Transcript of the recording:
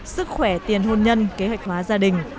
sức khỏe tiền hôn nhân kế hoạch hóa gia đình